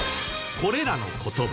これらの言葉